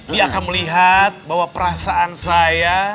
dia akan melihat bahwa perasaan saya